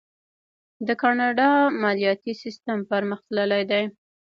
د کاناډا مالیاتي سیستم پرمختللی دی.